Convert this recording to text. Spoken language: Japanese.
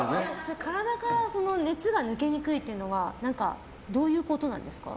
体から熱が抜けにくいというのは何かどういうことなんですか。